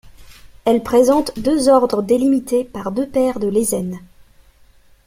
Elle présente deux ordres délimités par deux paires de lésènes.